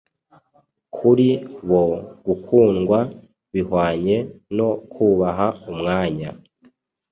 kuri bo gukundwa bihwanye no kubaha umwanya